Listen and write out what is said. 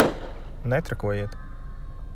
Netrakojiet!